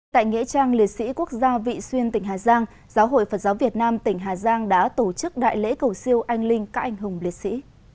tại nghĩa trang liệt sĩ quốc gia vị xuyên tỉnh hà giang giáo hội phật giáo việt nam tỉnh hà giang đã tổ chức đại lễ cầu siêu anh linh các anh hùng liệt sĩ